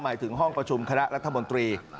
หมายถึงห้องประชุมคณะรัฐมนตรี